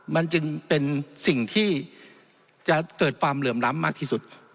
มันจึงเป็นสิ่งที่จะเกิดความเหลื่อมล้ำมากที่สุด